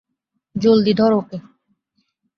জলদি, ধর ওকে।